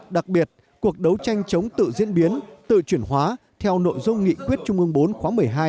đặc biệt cuộc đấu tranh chống tự diễn biến tự chuyển hóa theo nội dung nghị quyết trung ương bốn khóa một mươi hai